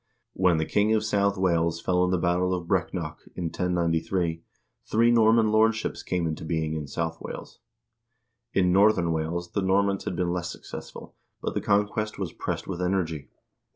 When the king of South Wales fell in the battle of Breck nock, in 1093, three Norman lordships came into being in South Wales. In Northern Wales the Normans had been less successful, but the conquest was pressed with energy.